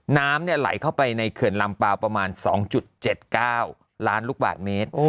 น้ำไหลเข้าไปในเขื่อนลำเปล่าประมาณ๒๗๙ล้านลูกบาทเมตร